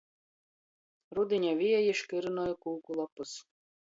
Rudiņa vieji škurynoj kūku lopys.